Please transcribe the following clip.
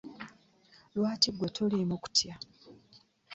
Lwaki gwe toliimu kutya?